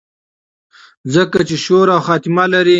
ځکه چې شورو او خاتمه لري